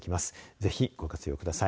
ぜひご活用ください。